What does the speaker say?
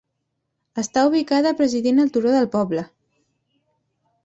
Està ubicada presidint el turó del poble.